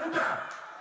mereka tidak makar